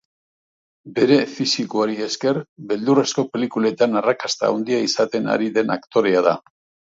Bere fisikoari esker, beldurrezko pelikulatan arrakasta handia izaten ari den aktorea da.